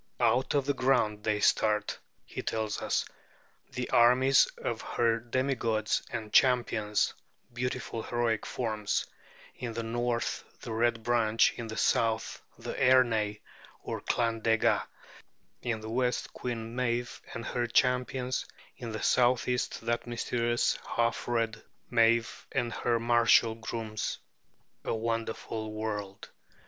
"Out of the ground they start," he tells us, "the armies of her demigods and champions, beautiful heroic forms, in the North the Red Branch, in the South the Ernai or Clan Dega, in the West Queen Meave and her champions, in the Southeast that mysterious half red Meave and her martial grooms!" A wonderful world!